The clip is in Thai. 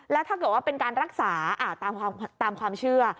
แล้วถ้าเกิดว่าเป็นการรักษาตามความเชื่อ